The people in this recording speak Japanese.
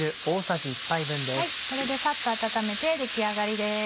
これでサッと温めて出来上がりです。